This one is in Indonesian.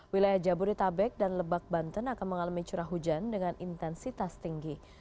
wilayah jabodetabek dan lebak banten akan mengalami curah hujan dengan intensitas tinggi